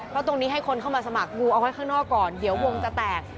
เพราะตรงนี้ให้คนเข้ามาสมัครงูเอาไว้ข้างนอกก่อนเดี๋ยววงจะแตก